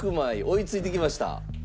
追いついてきました。